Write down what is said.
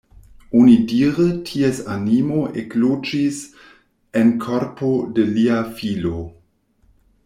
Onidire ties animo ekloĝis en korpo de lia filo.